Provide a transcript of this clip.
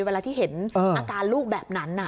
เวลาที่เห็นอาการลูกแบบนั้น